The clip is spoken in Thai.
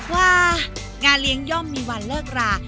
ว่างานเลี้ยงย่อมมีวันเลิกรา